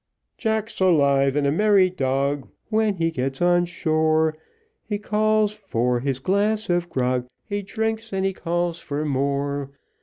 Jack's alive and a merry dog, When he gets on shore, He calls for his glass of grog, He drinks, and he calls for more.